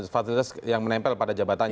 fasilitas yang menempel pada jabatannya